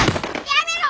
やめろ！